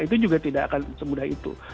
itu juga tidak akan semudah itu